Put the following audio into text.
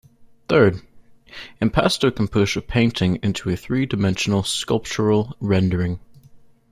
Third, impasto can push a painting into a three-dimensional sculptural rendering.